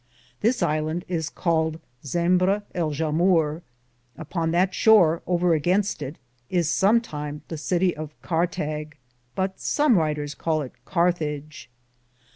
This ilande is called Simberrie.^ Upon that shore, over againste it, was somtime the Cittie of Carttag, but some wryteres caled it Carthage.